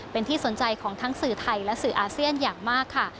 เป็นที่สนใจของทั้งสื่อไทยและสื่ออาเซียนอย่างมากค่ะ